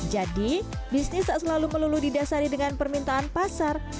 jadi bisnis tak selalu melulu didasari dengan permintaan pasar